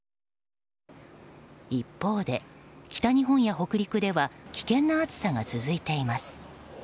一方で、北日本や北陸では危険な暑さが続いています。